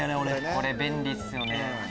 これ便利っすよね。